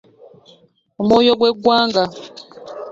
Omwoyo gwe ggwanga.